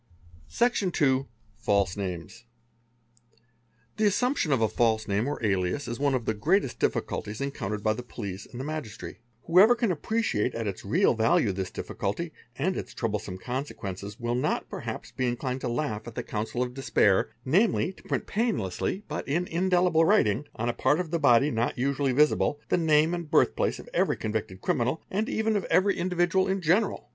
Section iii—False Names. The assumption of a false name or alias is one of the greatest diff culties encountered by the police and the magistracy; whoever ¢a appreciate at its real value this difficulty and its troublesome consequence will not perhaps be inclined to laugh at the counsel of despair, namel to print painlessly but in indelible writing, on a part of the body n usually visible, the name and birth place of every convicted criminal, ai even of every individual in general.